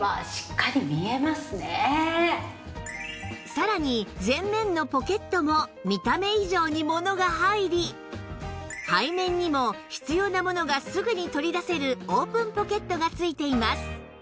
さらに前面のポケットも見た目以上に物が入り背面にも必要なものがすぐに取り出せるオープンポケットが付いています